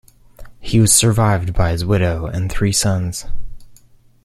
He was survived by his widow and three sons.